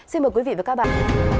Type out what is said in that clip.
xin mời quý vị và các bạn